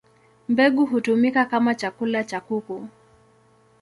Mbegu hutumika kama chakula cha kuku.